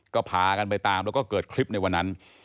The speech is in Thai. ก็พากันไปตามแล้วก็เกิดคลิปในวันนั้น